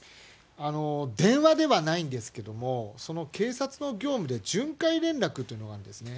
電話ではないんですけれども、その警察の業務で巡回連絡というのがあるんですね。